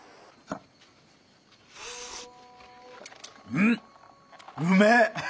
うんうめえ！